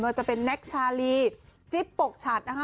ว่าจะเป็นแน็กชาลีจิ๊บปกฉัดนะคะ